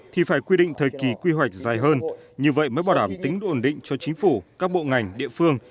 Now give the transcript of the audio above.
thì phải quy định thời kỳ quy hoạch dài hơn như vậy mới bảo đảm tính ổn định cho chính phủ các bộ ngành địa phương